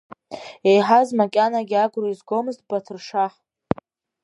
Еиҳәаз макьанагьы агәра изгомызт Баҭыршаҳ.